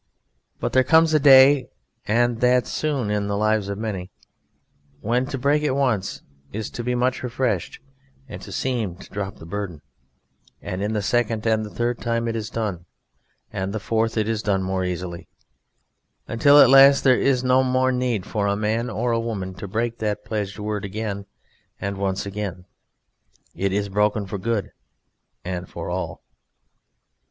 But there comes a day, and that soon in the lives of many, when to break it once is to be much refreshed and to seem to drop the burden; and in the second and the third time it is done, and the fourth it is done more easily until at last there is no more need for a man or a woman to break that pledged word again and once again; it is broken for good and for all.